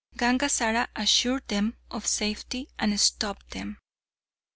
Gangazara assured them of safety, and stopped them.